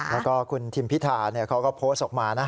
แล้วก็คุณทิมพิธาเขาก็โพสต์ออกมานะ